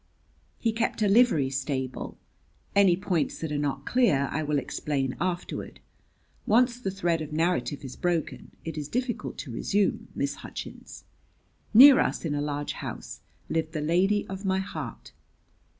"He kept a livery stable. Any points that are not clear I will explain afterward. Once the thread of a narrative is broken, it is difficult to resume, Miss Hutchins. Near us, in a large house, lived the lady of my heart."